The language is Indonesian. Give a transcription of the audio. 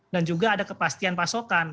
dan juga ada kepastian pasokan